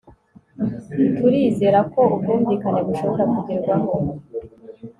Turizera ko ubwumvikane bushobora kugerwaho